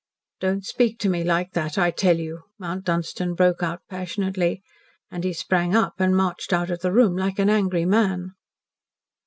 "Don't speak to me like that, I tell you!" Mount Dunstan broke out passionately. And he sprang up and marched out of the room like an angry man.